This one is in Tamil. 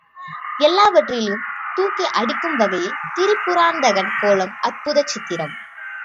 எல்லாவற்றையும் தூக்கி அடிக்கும் வகையில் திரிபுராந்தகன் கோலம் அற்புதச் சித்திரம்.